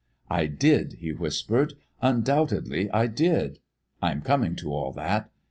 "I did," he whispered, "undoubtedly I did. I am coming to all that.